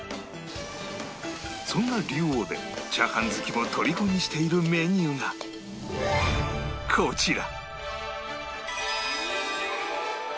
そんな龍王でチャーハン好きをとりこにしているメニューがこちら